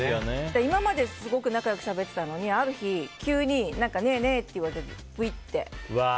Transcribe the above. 今まで、すごく仲良くしゃべってたのにある日、急にねえねえって言われてもプイって。